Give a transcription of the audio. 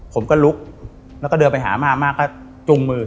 ผมก็ลุกแล้วก็เดินไปหามาม่าก็จุงมือ